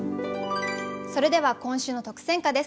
それでは今週の特選歌です。